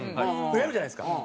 やるじゃないですか。